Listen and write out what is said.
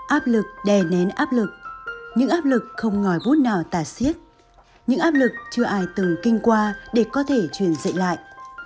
áp lực đè nén áp lực những áp lực không ngòi bút nào tả xiết những áp lực chưa ai từng kinh qua để có thể truyền dạy lại